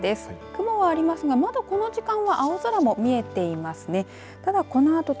雲はありますがまだこの時間は青空も見えていますね。